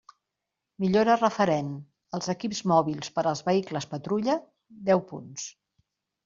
Millora referent als equips mòbils per als vehicles patrulla: deu punts.